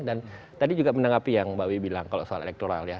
dan tadi juga menanggapi yang mbak wi bilang kalau soal elektoral ya